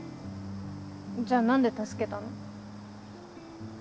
じゃあなんで助けたの？